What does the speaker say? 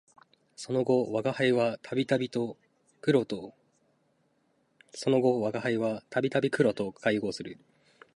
その後吾輩は度々黒と邂逅する